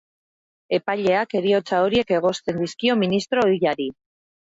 Epaileak heriotza horiek egozten dizkio ministro ohiari.